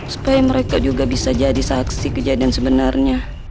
supaya mereka juga bisa jadi saksi kejadian sebenarnya